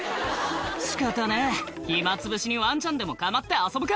「仕方ねえ暇つぶしにワンちゃんでも構って遊ぶか」